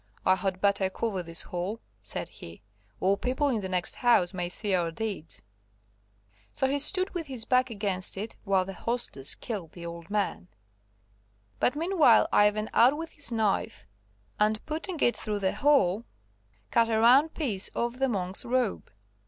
"I had better cover this hole," said he, "or people in the next house may see our deeds." So he stood with his back against it while the hostess killed the old man. But meanwhile Ivan out with his knife, and putting it through the whole, cut a round piece off the monk's robe.